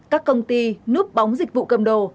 các công ty núp bóng dịch vụ cầm đồ